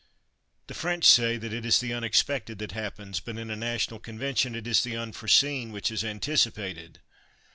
The French say that it is the unexpected that happens, but in a national convention it is the unforeseen which is anticipated.